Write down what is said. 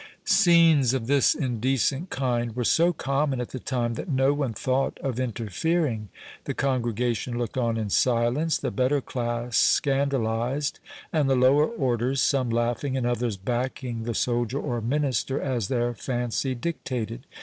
Scenes of this indecent kind were so common at the time, that no one thought of interfering; the congregation looked on in silence, the better class scandalized, and the lower orders, some laughing, and others backing the soldier or minister as their fancy dictated.